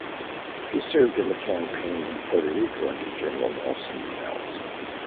He served in the campaign in Puerto Rico under General Nelson Miles.